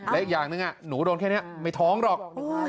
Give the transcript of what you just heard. และอีกอย่างหนึ่งหนูโดนแค่นี้ไม่ท้องหรอก